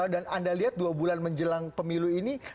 dan anda lihat dua bulan menjelang pemilu ini